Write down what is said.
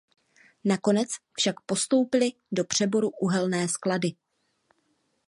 Nakonec však postoupily do přeboru Uhelné sklady.